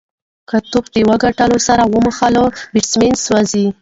که توپ د وکټو سره وموښلي، بېټسمېن سوځي.